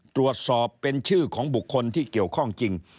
ตรวจสอบเป็นชื่อของบุคคลที่เกี่ยวข้องจริง